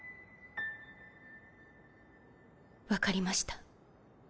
分かりました。